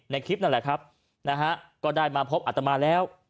ในคลิปนั่นแหละก็ได้มาพบอัตมาแล้ว